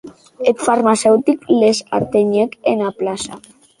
Eth farmaceutic les artenhèc ena plaça.